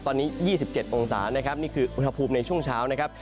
ตอนนี้๒๗องศานะครับนี่คืออุณหภูมิในช่วงเช้านะครับ